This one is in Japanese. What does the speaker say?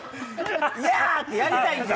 や！ってやりたいんですよ。